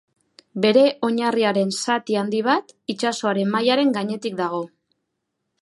Bere oinarriaren zati handi bat, itsasoaren mailaren gainetik dago.